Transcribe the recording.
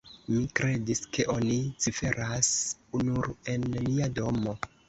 Mi kredis, ke oni ciferas nur en nia domo.